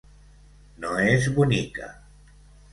No és bonica.